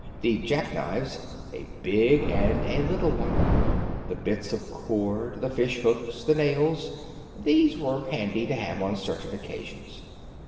The jackknives a big one and a little one the bits of cord, the fishhooks, the nails: these were handy to have on certain occasions.